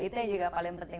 itu juga paling penting